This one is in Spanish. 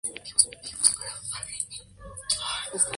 Con este monumento el municipio de St.